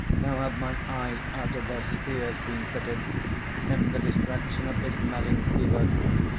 How have mine eyes out of their spheres been fitted, In the distraction of this madding fever!